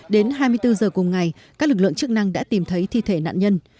đến hai mươi bốn h cùng ngày các lực lượng chức năng đã tìm thấy thi thể nạn nhân